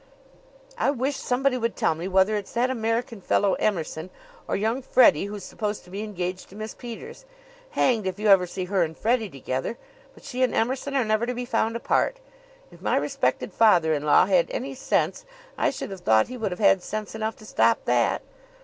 "I wish somebody would tell me whether it's that American fellow, Emerson, or young Freddie who's supposed to be engaged to Miss Peters. Hanged if you ever see her and Freddie together, but she and Emerson are never to be found apart. If my respected father in law had any sense I should have thought he would have had sense enough to stop that."